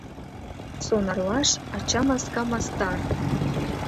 Сонарлаш — ача маска мастар.